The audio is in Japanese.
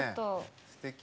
すてき！